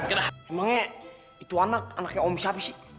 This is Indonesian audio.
emangnya itu anak anaknya om siapa sih